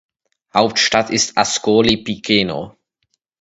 Hauptstadt ist Ascoli Piceno.